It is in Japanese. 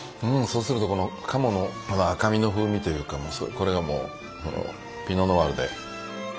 そうするとこの鴨のこの赤身の風味というかこれがもうピノ・ノワールで。